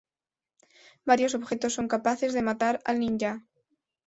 Varios objetos son capaces de matar al ninja.